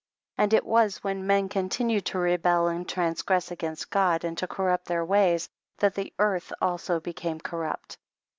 9. And it was when men conti nued to rebel and transgress against God, and to corrupt their ways, that the earth also became corrupt.